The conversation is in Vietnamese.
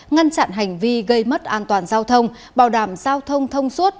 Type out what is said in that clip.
ngăn chặn hành vi gây mất an toàn giao thông bảo đảm giao thông thông suốt